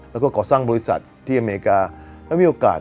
แล้วก็ก่อสร้างบริษัทที่อเมริกาแล้วมีโอกาส